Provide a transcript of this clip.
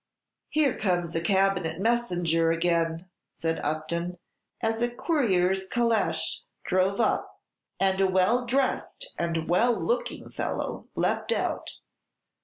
"Here comes a cabinet messenger again," said Upton, as a courier's calèche drove up, and a well dressed and well looking fellow leaped out.